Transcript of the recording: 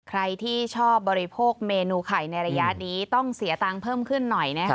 ใครที่ชอบบริโภคเมนูไข่ในระยะนี้ต้องเสียตังค์เพิ่มขึ้นหน่อยนะคะ